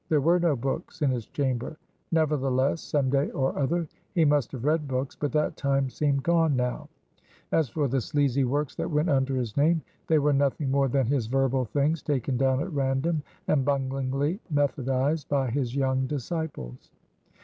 There were no books in his chamber. Nevertheless, some day or other he must have read books, but that time seemed gone now; as for the sleazy works that went under his name, they were nothing more than his verbal things, taken down at random, and bunglingly methodized by his young disciples.